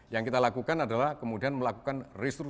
yang kita lakukan adalah kemudian melakukan restruksi